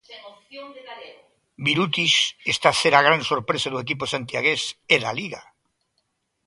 Birutis está a ser a gran sorpresa do equipo santiagués e da Liga.